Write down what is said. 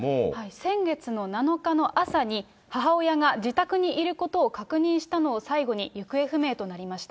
先月の７日の朝に、母親が自宅にいることを確認したのを最後に、行方不明となりました。